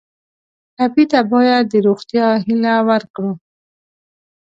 ټپي ته باید د روغتیا هیله ورکړو.